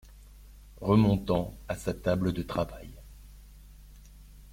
Remontant à sa table de travail.